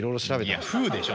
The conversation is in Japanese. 「ヤフー」でしょ。